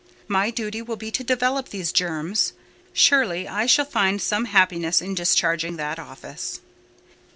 My duty will be to develop these germs: surely I shall find some happiness in discharging that office.